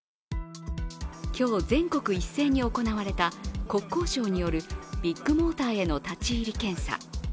今日、全国一斉に行われた国交省によるビッグモーターへの立ち入り検査。